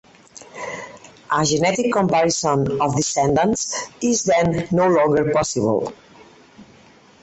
A genetic comparison of descendants is then no longer possible.